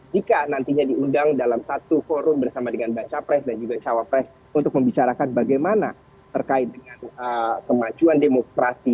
jika nantinya diundang dalam satu forum bersama dengan baca pres dan juga cawapres untuk membicarakan bagaimana terkait dengan kemajuan demokrasi